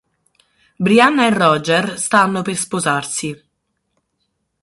Brianna e Roger stanno per sposarsi.